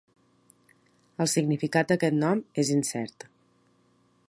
El significat d"aquest nom és incert.